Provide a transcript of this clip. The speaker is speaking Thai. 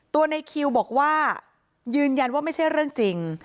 ในคิวบอกว่ายืนยันว่าไม่ใช่เรื่องจริง